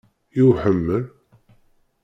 I uḥemmel?